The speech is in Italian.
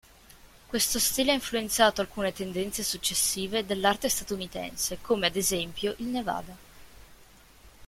Questo stile ha influenzato alcune tendenze successive dell'arte statunitense come ad esempio il Nevada.